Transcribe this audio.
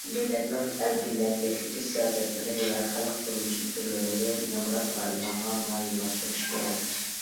دۆلەتنىڭ ئەلگە نەپ يەتكۈزۈش سىياسەتلىرى ۋە خەلق تۇرمۇشى تۈرلىرىنى نامرات رايونلارغا مايىللاشتۇرۇش كېرەك.